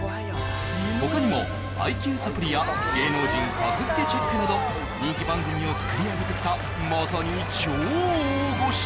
他にも「ＩＱサプリ」や「芸能人格付けチェック」など人気番組をつくりあげてきたまさに超大御所！